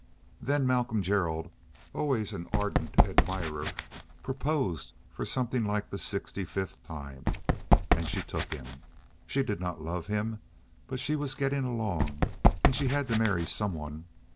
Then Malcolm Gerald, always an ardent admirer, proposed for something like the sixty fifth time, and she took him. She did not love him, but she was getting along, and she had to marry some one.